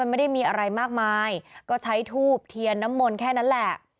ไม่ได้มีอะไรมากมายก็ใช้ทูบเทียนน้ำมนต์แค่นั้นแหละ